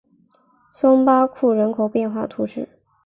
松巴库人口变化图示